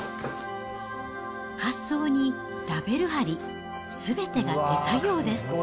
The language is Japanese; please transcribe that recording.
発送にラベル貼り、すべてが手作業です。